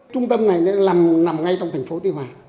trung tâm này nằm ngay trong thành phố tuy hòa